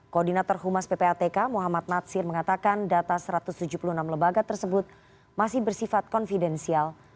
koordinator humas ppatk muhammad natsir mengatakan data satu ratus tujuh puluh enam lebaga tersebut masih bersifat konfidensial